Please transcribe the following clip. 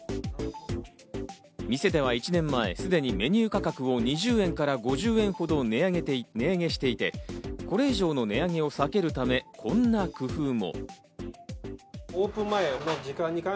店では１年前、すでにメニュー価格を２０円から５０円ほど値上げしていて、これ以上の値上げを避けるため、こんな工夫も。